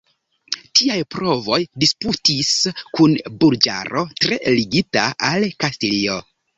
Tiaj provoj disputis kun burĝaro, tre ligita al Kastilio.